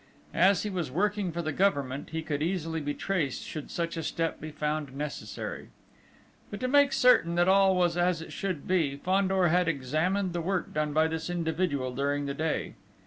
As he was working for the Government, he could easily be traced should such a step be found necessary. But to make certain that all was as it should be, Fandor had examined the work done by this individual during the day.